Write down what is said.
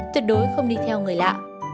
tuyệt đối không đi theo người lạ